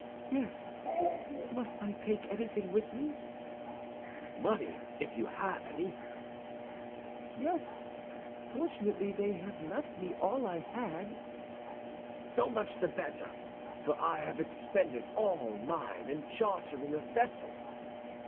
"Yes. Must I take anything with me?" "Money, if you have any." "Yes; fortunately they have left me all I had." "So much the better, for I have expended all mine in chartering a vessel."